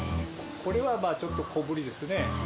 これは、ちょっと小ぶりですね。